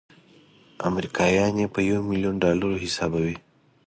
امریکایان یې په یو میلیون ډالرو حسابوي.